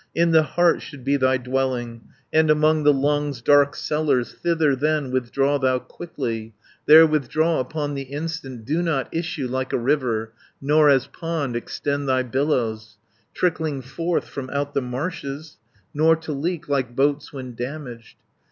In the heart should be thy dwelling, And among the lungs' dark cellars. Thither then withdraw thou quickly, There withdraw upon the instant. 370 Do not issue like a river, Nor as pond extend thy billows, Trickling forth from out the marshes, Nor to leak like boats when damaged.